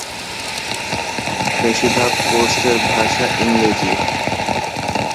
বেশিরভাগ কোর্সের ভাষা ইংরেজি।